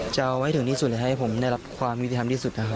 จะเอาให้ถึงที่สุดให้ผมได้รับความยุติธรรมที่สุดนะครับ